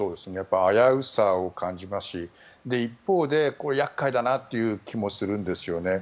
危うさを感じますし一方で厄介だなという気もするんですよね。